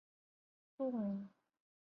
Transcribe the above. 鼢鼠属等数种哺乳动物。